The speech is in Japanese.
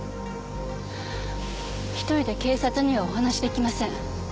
１人で警察にはお話し出来ません。